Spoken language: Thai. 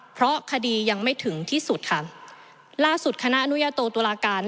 เพราะคดียังไม่ถึงที่สุดค่ะล่าสุดคณะอนุญาโตตุลาการ